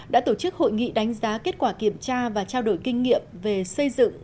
đã tổ chức hội nghị đánh giá kết quả kiểm tra và trao đổi kinh nghiệm về xây dựng